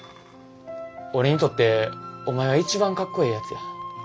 俺にとってお前は一番かっこええやつや。